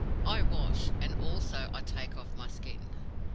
"I wash, and ALSO I take off my skin.